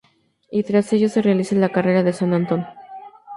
Y tras ello se realiza la Carrera de San Antón.